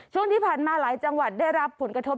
ช่วงที่ผ่านมาหลายจังหวัดได้รับผลกระทบ